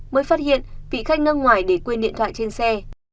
mới phát hiện vị khách nước ngoài để quên điện thoại trên xe